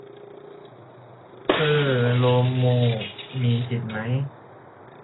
เอ้อ โลโม่มีสิทธิ์ไหม